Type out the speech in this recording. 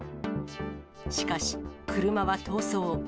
しかし、車は逃走。